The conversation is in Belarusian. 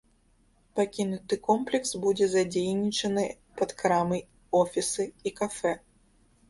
Пакінуты комплекс будзе задзейнічаны пад крамы, офісы і кафэ.